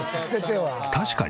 確かに。